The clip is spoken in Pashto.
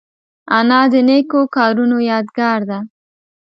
انا د نیکو کارونو یادګار ده